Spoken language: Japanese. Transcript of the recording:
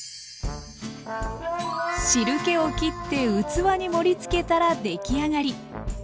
汁けをきって器に盛りつけたらできあがり。